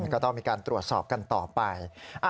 ก็ต้องมีการตรวจสอบกันต่อไป